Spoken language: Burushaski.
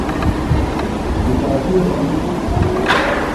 je parṭiyar oonićam